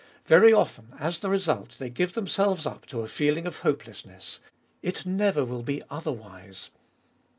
Very often as the result they give themselves up to a feeling of hopelessness : it never will be otherwise.